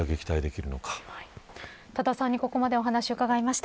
多田さんにここまでお話を伺いました。